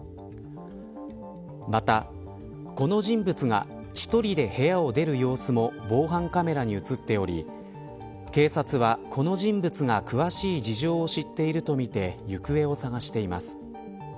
また、この人物が１人で部屋を出る様子も防犯カメラに映っており警察は、この人物が詳しい事情を知っているとみて行方を捜しています。